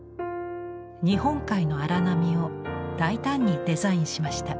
日本海の荒波を大胆にデザインしました。